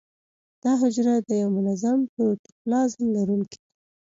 دا حجره د یو منظم پروتوپلازم لرونکې ده.